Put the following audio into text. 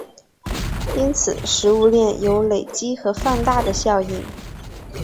因此食物链有累积和放大的效应。